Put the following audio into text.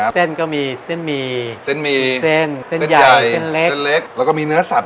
ธรรมดาเลยเหมือนเหมือนกันเลยครับเหมือนกัน